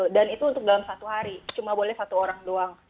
dan itu untuk dalam satu hari cuma boleh satu orang doang